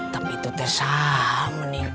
tapi tuh tersaham nih gelis pisang